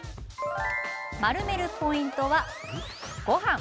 丸めるポイントは、ごはん。